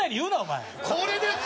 これです！